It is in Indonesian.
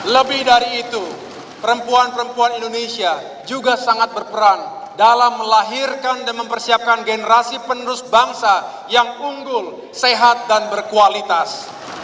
lebih dari itu perempuan perempuan indonesia juga sangat berperan dalam melahirkan dan mempersiapkan generasi penerus bangsa yang unggul sehat dan berkualitas